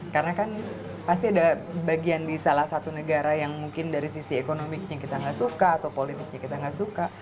karena kan pasti ada bagian di salah satu negara yang mungkin dari sisi ekonomi kita gak suka atau politiknya kita gak suka